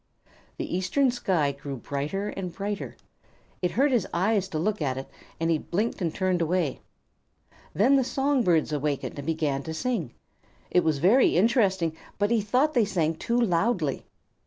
The eastern sky grew brighter and brighter. It hurt his eyes to look at it, and he blinked and turned away. Then the song birds awakened and began to sing. It was very interesting, but he thought they sang too loudly.